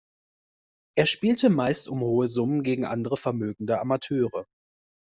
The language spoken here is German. Er spielte meist um hohe Summen gegen andere vermögende Amateure.